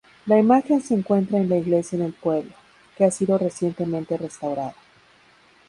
La imagen se encuentra en la iglesia del pueblo, que ha sido recientemente restaurada.